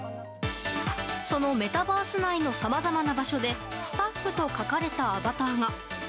そのメタバース内のさまざまな場所で「ＳＴＡＦＦ」と書かれたアバターが。